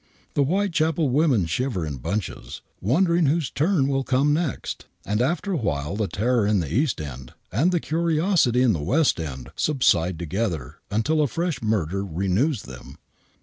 the Whitechapel women shiver in bunches, wonder ing whose turn will come next, and after a while the terror in the East End and the curiosity in the West End subside together until a fresh murder renews them.